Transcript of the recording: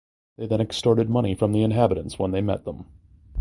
They then extorted money from the inhabitants when they met them.